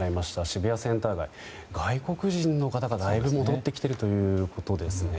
渋谷センター街外国人の方が、だいぶ戻っているということですね。